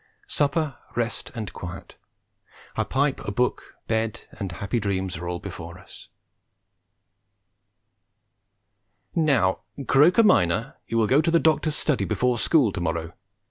Supper, rest and quiet, a pipe, a book, bed and happy dreams are all before us. "Now, Croker, minor, you will go to the Doctor's study before school to morrow.